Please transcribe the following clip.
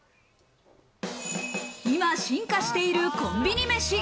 今、進化しているコンビニ飯。